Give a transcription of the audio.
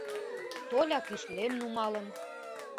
Толя кӱслем нумалын.